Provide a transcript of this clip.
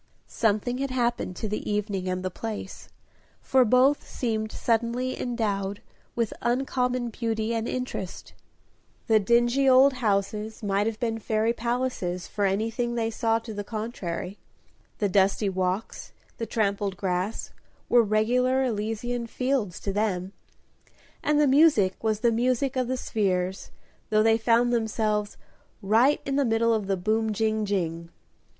Something had happened to the evening and the place, for both seemed suddenly endowed with uncommon beauty and interest. The dingy old houses might have been fairy palaces, for anything they saw to the contrary; the dusty walks, the trampled grass, were regular Elysian fields to them, and the music was the music of the spheres, though they found themselves "Right in the middle of the boom, jing, jing."